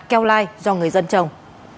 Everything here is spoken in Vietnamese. keo lai do người dân trồng